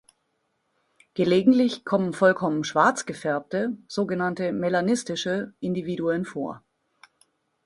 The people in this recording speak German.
Gelegentlich kommen vollkommen schwarz gefärbte, so genannte melanistische Individuen, vor.